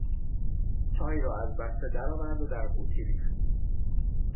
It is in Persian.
چای را از بسته درآورد و در قوطی ریخت.